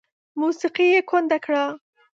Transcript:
موسیقي یې کونډه کړه